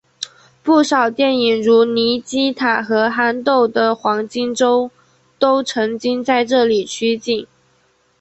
不少电影如尼基塔和憨豆的黄金周都曾经在这里取景。